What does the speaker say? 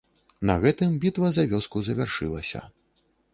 На гэтым бітва за вёску завяршылася.